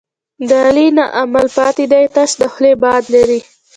د علي نه عمل پاتې دی، تش د خولې باد لري.